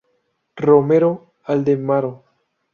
Romero, Aldemaro.